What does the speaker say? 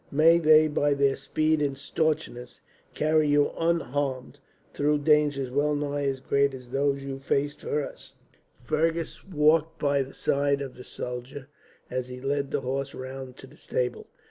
May they, by their speed and staunchness, carry you unharmed through dangers well nigh as great as those you faced for us.'" Fergus walked by the side of the soldier as he led the horse round to the stable.